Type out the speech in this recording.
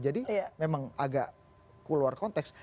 jadi memang agak keluar konteks